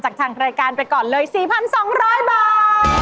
ทางรายการไปก่อนเลย๔๒๐๐บาท